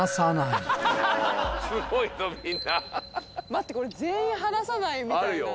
待ってこれ全員離さないみたいな。